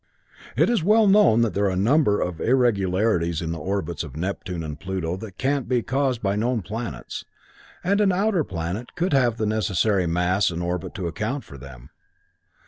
It is well known that there are a number of irregularities in the orbits of Neptune and Pluto that can't be caused by known planets, and an outer planet could have the necessary mass and orbit to account for them.